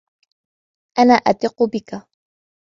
أنا أثق بك.